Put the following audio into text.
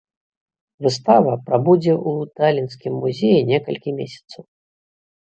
Выстава прабудзе ў талінскім музеі некалькі месяцаў.